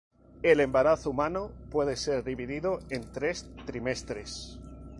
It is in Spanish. El embarazo humano puede ser dividido en tres trimestres.